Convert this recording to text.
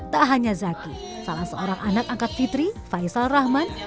tak hanya zaki salah seorang anak angkat fitri faisal rahman